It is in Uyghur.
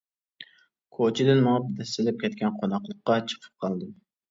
كوچىدىن مېڭىپ، دەسسىلىپ كەتكەن قوناقلىققا چىقىپ قالدىم.